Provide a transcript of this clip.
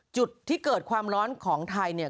จุดที่เกิดความร้อนของไทยเนี่ย